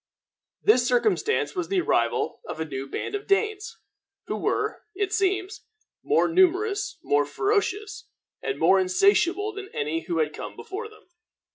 This circumstance was the arrival of a new band of Danes, who were, it seems, more numerous, more ferocious, and more insatiable than any who had come before them.